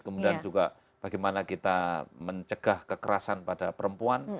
kemudian juga bagaimana kita mencegah kekerasan pada perempuan